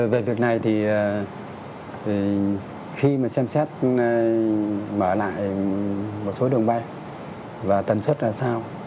về việc này thì khi mà xem xét mở lại một số đường bay và tần suất là sao